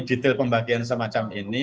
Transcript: detail pembagian semacam ini